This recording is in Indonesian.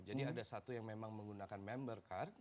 jadi ada satu yang memang menggunakan member card